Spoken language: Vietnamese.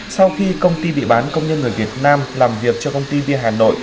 sau khi công ty bị bán công nhân người việt nam làm việc cho công ty đê hà nội